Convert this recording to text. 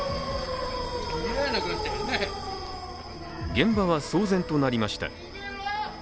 現場は騒然となりました。